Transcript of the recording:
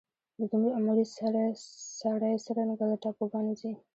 د دومره عملې سره سړی څرنګه له ټاپوګانو ځي.